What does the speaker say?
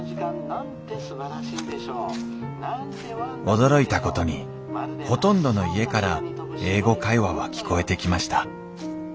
驚いたことにほとんどの家から「英語会話」は聴こえてきました。